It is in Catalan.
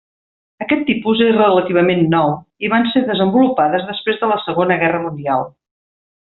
Aquest tipus és relativament nou i van ser desenvolupades després de la Segona Guerra Mundial.